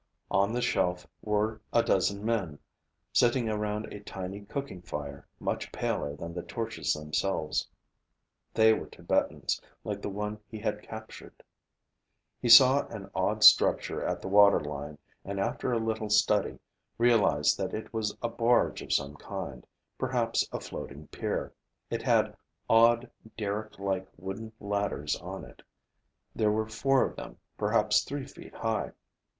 On the shelf were a dozen men, sitting around a tiny cooking fire much paler than the torches themselves. They were Tibetans, like the one he had captured. He saw an odd structure at the water line and after a little study realized that it was a barge of some kind, perhaps a floating pier. It had odd derricklike wooden ladders on it. There were four of them, perhaps three feet high.